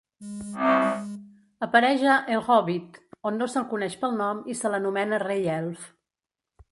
Apareix a El Hòbbit, on no se'l coneix pel nom i se l'anomena Rei Elf.